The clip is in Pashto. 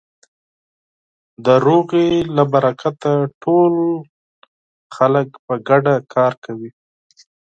د سولې له برکته ټول خلک په ګډه کار کوي.